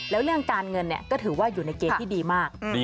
แล้วเรื่องการเงินก็ถือว่าอยู่ในเกณฑ์ที่ดีมาก